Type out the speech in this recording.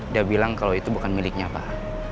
dia bilang kalau itu bukan miliknya pak